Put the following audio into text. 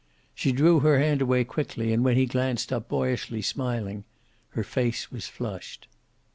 She drew her hand away quickly, and when he glanced up, boyishly smiling, her face was flushed.